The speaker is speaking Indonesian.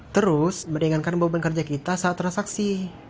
terus beringatkan boban kerja kita saat transaksi